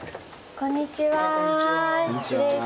こんにちは。